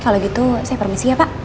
kalau gitu saya permisi ya pak